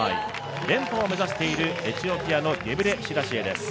連覇を目指しているエチオピアのゲブレシラシエです。